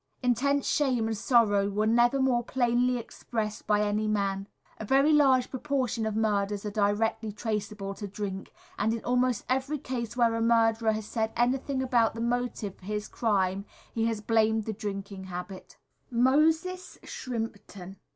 Intense shame and sorrow were never more plainly expressed by any man. A very large proportion of murders are directly traceable to drink, and in almost every case where a murderer has said anything about the motive for his crime he has blamed the drinking habit. [Illustration: Moses Shrimpton.] Moses Shrimpton.